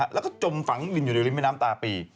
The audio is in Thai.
แล้วก็จมฝังดินอยู่ในริมแม่น้ำตาปี